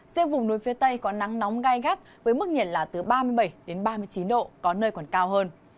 riêng vùng núi phía tây có nắng nóng gai gắt với mức nhiệt là từ ba mươi bảy ba mươi chín độ có nơi còn cao hơn